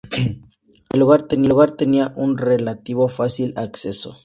El lugar tenía un relativo fácil acceso.